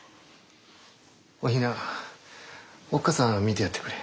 お雛おっ母さん見てやってくれ。